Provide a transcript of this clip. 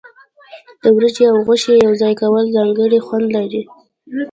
د وریجې او غوښې یوځای کول ځانګړی خوند لري.